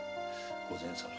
御前様。